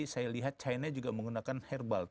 saya lihat china juga menggunakan herbal